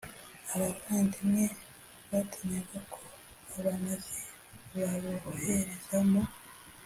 Abavandimwe batinyaga ko Abanazi babohereza mu